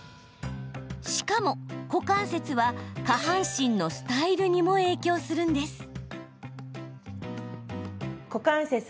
しかも、股関節は下半身のスタイルにも影響するんです。